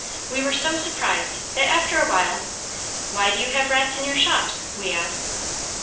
We were so surprised that after a while, "Why do you have rats in your shops?" we asked.